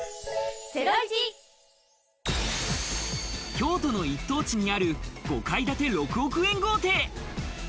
京都の一等地にある５階建て６億円豪邸！